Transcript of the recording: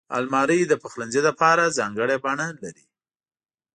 الماري د پخلنځي لپاره ځانګړې بڼه لري